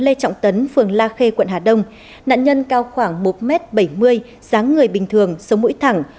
lê trọng tấn phường la khê quận hà đông nạn nhân cao khoảng một m bảy mươi sáng người bình thường sống mũi thẳng